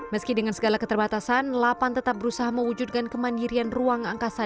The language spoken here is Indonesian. meski dengan segala keterbatasan lapan tetap berusaha mewujudkan kemandirian ruang angkasa